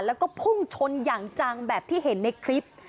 แล้วก็พุ่งชนอย่างจังแบบที่เห็นในคลิป